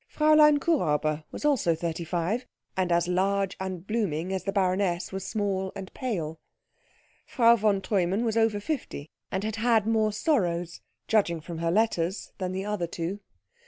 Fräulein Kuhräuber was also thirty five, and as large and blooming as the baroness was small and pale. Frau von Treumann was over fifty, and had had more sorrows, judging from her letters, than the other two.